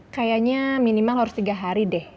kayaknya minimal harus tiga hari deh